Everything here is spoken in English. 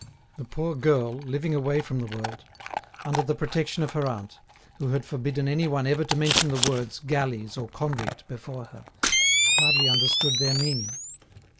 The poor girl, living away from the world, under the protection of her aunt, who had forbidden any one ever to mention the words "galleys" or "convict" before her, hardly understood their meaning.